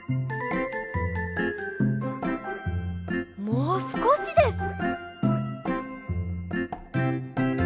もうすこしです！